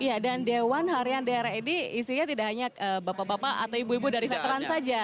iya dan dewan harian daerah ini isinya tidak hanya bapak bapak atau ibu ibu dari veteran saja